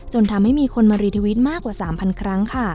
ทำให้มีคนมารีทวิตมากกว่า๓๐๐ครั้งค่ะ